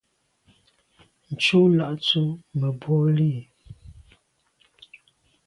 Tshù lagntse mebwô li.